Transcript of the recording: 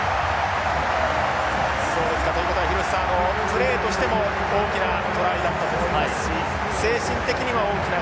廣瀬さんプレーとしても大きなトライだったと思いますし精神的にも大きなトライ。